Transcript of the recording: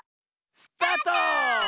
スタート！